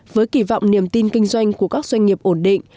với kỳ vọng niềm tin kinh doanh của các doanh nghiệp ổn định